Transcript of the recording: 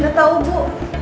gak tau bu